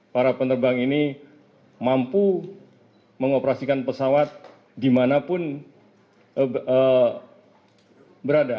para penerbang ini mampu mengoperasikan pesawat dimanapun berada